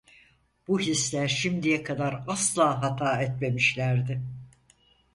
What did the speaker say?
Bu hisler şimdiye kadar asla hata etmemişlerdi.